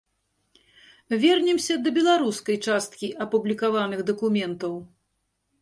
Вернемся да беларускай часткі апублікаваных дакументаў.